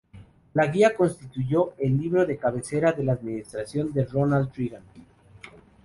La Guía constituyó el libro de cabecera de la administración de Ronald Reagan.